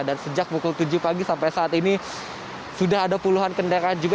dan sejak pukul tujuh pagi sampai saat ini sudah ada puluhan kendaraan juga